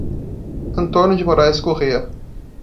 Antônio de Moraes Correa